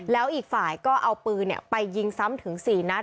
แล้วอีกฝ่ายก็เอาปืนไปยิงซ้ำถึง๔นัด